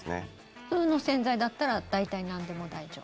普通の洗剤だったら大体なんでも大丈夫？